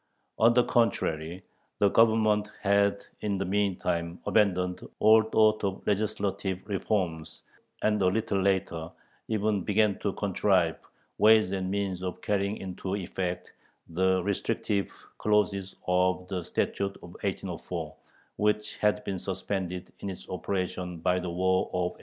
On the contrary, the Government had in the meantime abandoned all thought of legislative reforms, and a little later even began to contrive ways and means of carrying into effect the restrictive clauses of the Statute of 1804, which had been suspended in its operation by the War of 1812.